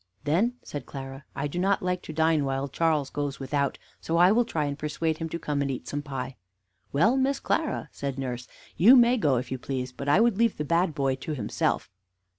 "Then," said Clara, "I do not like to dine while Charles goes without; so I will try and persuade him to come and eat some pie." "Well, Miss Clara," said nurse, "you may go, if you please; but I would leave the bad boy to himself."